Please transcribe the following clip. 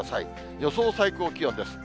予想最高気温です。